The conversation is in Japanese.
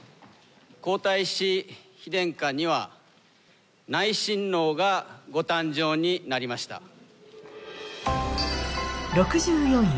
皇太子妃殿下には内親王がご誕生になりました